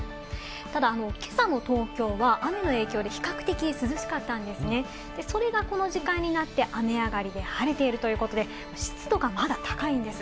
ただ今朝の東京は雨の影響で比較的、涼しかったんですね、それがこの時間になって雨上がりで晴れているということで、湿度がまだ高いんです。